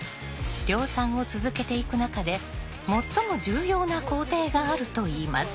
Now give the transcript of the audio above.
量産を続けていく中で最も重要な工程があるといいます。